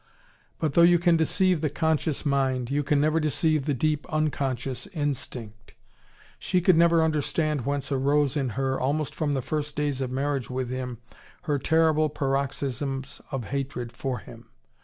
But though you can deceive the conscious mind, you can never deceive the deep, unconscious instinct. She could never understand whence arose in her, almost from the first days of marriage with him, her terrible paroxysms of hatred for him.